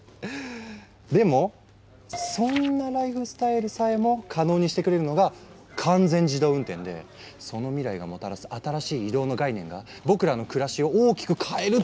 でもそんなライフスタイルさえも可能にしてくれるのが完全自動運転でその未来がもたらす新しい移動の概念が僕らの暮らしを大きく変えるって。